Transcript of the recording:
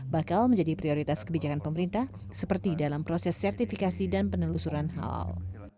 bakal menjadi prioritas kebijakan pemerintah seperti dalam proses sertifikasi dan penelusuran halal